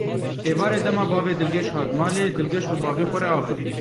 Êvarê dema bavê Dilgeş hat malê, Dilgeş bi bavê xwe re axivî.